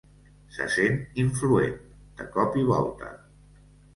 Se sent influent, de cop i volta.